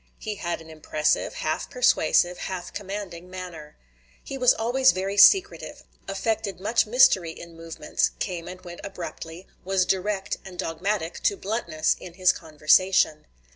He had an impressive, half persuasive, half commanding manner. He was always very secretive, affected much mystery in movements, came and went abruptly, was direct and dogmatic to bluntness in his conversation.